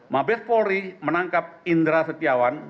mabes polri menangkap indra setiawan